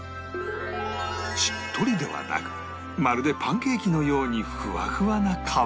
しっとりではなくまるでパンケーキのようにふわふわな皮